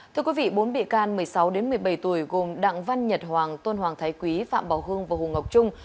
thưa quý vị bốn bị can một mươi sáu một mươi bảy tuổi gồm đặng văn nhật hoàng tôn hoàng thái quý phạm bảo hương và hồ ngọc trung